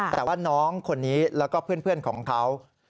แต่ว่าน้องคนนี้แล้วก็เพื่อนของเขา